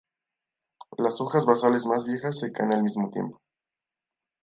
Las hojas basales más viejas se caen al mismo tiempo.